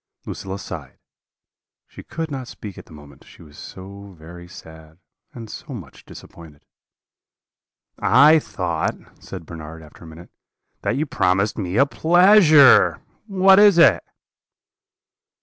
"Lucilla sighed; she could not speak at the moment, she was so very sad, and so much disappointed. "'I thought,' said Bernard, after a minute, 'that you promised me a pleasure. What is it?'